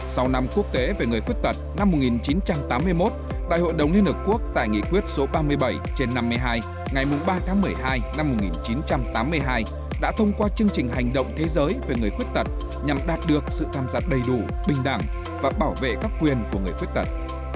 sau năm quốc tế về người khuyết tật năm một nghìn chín trăm tám mươi một đại hội đồng liên hợp quốc tại nghị quyết số ba mươi bảy trên năm mươi hai ngày ba tháng một mươi hai năm một nghìn chín trăm tám mươi hai đã thông qua chương trình hành động thế giới về người khuyết tật nhằm đạt được sự tham gia đầy đủ bình đẳng và bảo vệ các quyền của người khuyết tật